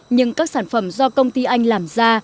nhưng các sản phẩm do công ty anh làm ra